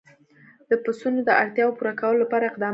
د پسونو د اړتیاوو پوره کولو لپاره اقدامات کېږي.